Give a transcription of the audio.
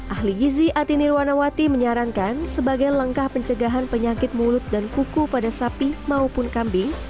ahli gizi ati nirwanawati menyarankan sebagai langkah pencegahan penyakit mulut dan kuku pada sapi maupun kambing